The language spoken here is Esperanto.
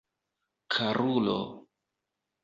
karulo